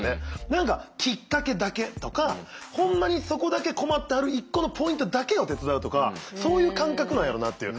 何かきっかけだけとかほんまにそこだけ困ってはる一個のポイントだけを手伝うとかそういう感覚なんやろうなっていう。